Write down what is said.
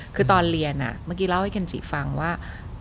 คือตอนเรียนเมื่อกี้เล่าให้เคนจิฟังว่า